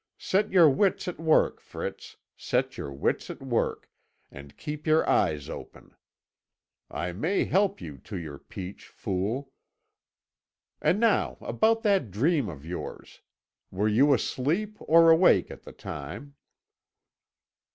Set your wits at work, Fritz, set your wits at work, and keep your eyes open. I may help you to your peach, fool. And now about that dream of yours. Were you asleep or awake at the time?"